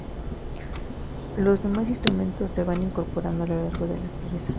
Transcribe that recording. Los demás instrumentos se van incorporando a lo largo de la pieza.